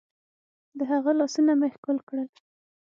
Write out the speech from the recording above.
د هغه لاسونه مې ښكل كړل.